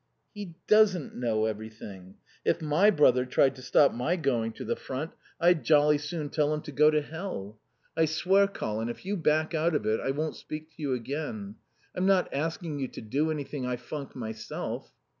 "He doesn't know everything. If my brother tried to stop my going to the front I'd jolly soon tell him to go to hell. I swear, Colin, if you back out of it I won't speak to you again. I'm not asking you to do anything I funk myself."